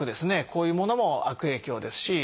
こういうものも悪影響ですし。